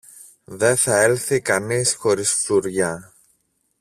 δε θα έλθει κανείς χωρίς φλουριά!